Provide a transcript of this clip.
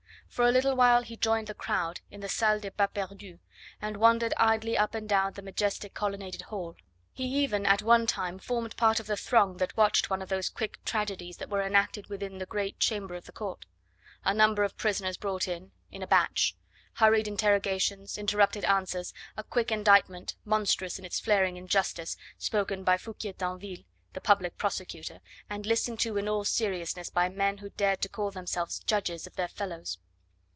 For a little while he joined the crowd in the Salle des Pas Perdus, and wandered idly up and down the majestic colonnaded hall. He even at one time formed part of the throng that watched one of those quick tragedies that were enacted within the great chamber of the court. A number of prisoners brought in, in a batch; hurried interrogations, interrupted answers, a quick indictment, monstrous in its flaring injustice, spoken by Foucquier Tinville, the public prosecutor, and listened to in all seriousness by men who dared to call themselves judges of their fellows.